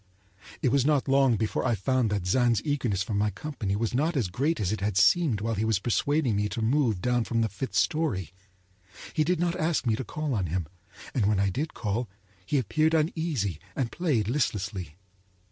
It was not long before I found that Zann's eagerness for my company was not as great as it had seemed while he was persuading me to move down from the fifth story. He did not ask me to call on him, and when I did call he appeared uneasy and played listlessly.